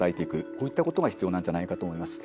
こういったことが必要なんじゃないかと思います。